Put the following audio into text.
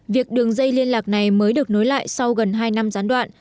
việc đường dây liên lạc này mới được nối lại sau gần hai năm gián đoạn